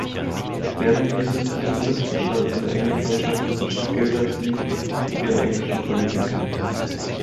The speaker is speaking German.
Während dieses Besuches entstand eine enge Freundschaft zwischen Gildersleeve und ihren englischen Kolleginnen.